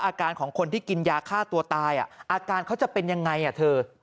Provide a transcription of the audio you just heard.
อาการของคนที่กินยาฆ่าตัวตายอาการเขาจะเป็นยังไงเธอ